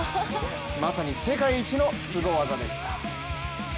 まさに世界一のすご技でした。